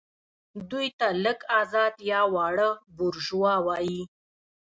دوی ته لږ ازاد یا واړه بوروژوا وايي.